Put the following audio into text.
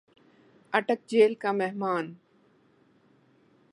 اٹک jail کا مہمان